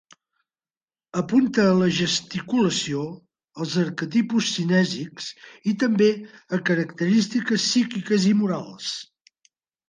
Apunte a la gesticulació, els arquetipus cinèsics, i també a característiques psíquiques i morals.